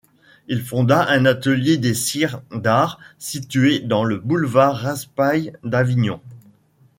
Il fonda un atelier des cires d'art situé dans le boulevard Raspail d'Avignon.